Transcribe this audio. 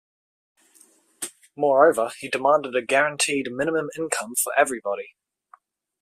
Moreover, he demanded a guaranteed minimum income for everybody.